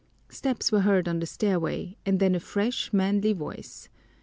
Steps were heard on the stairway and then a fresh, manly voice.